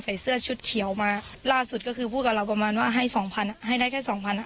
ใส่เสื้อชุดเขียวมาล่าสุดก็คือพูดกับเราประมาณว่าให้สองพันให้ได้แค่สองพัน